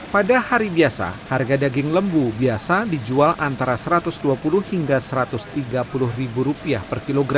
pada hari biasa harga daging lembu biasa dijual antara rp satu ratus dua puluh hingga rp satu ratus tiga puluh